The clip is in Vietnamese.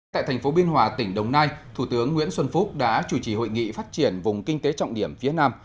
tại thành phố biên hòa tỉnh đồng nai thủ tướng nguyễn xuân phúc đã chủ trì hội nghị phát triển vùng kinh tế trọng điểm phía nam